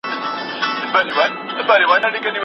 دوی له ستونزو نه ډارېږي.